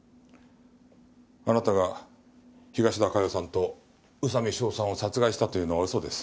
あなたが東田加代さんと宇佐美翔さんを殺害したというのは嘘です。